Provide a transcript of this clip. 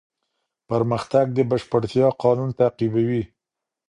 پرمختګ د بشپړتیا قانون تعقیبوي.